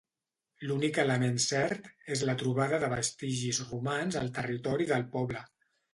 L'únic element cert és la trobada de vestigis romans al territori del poble.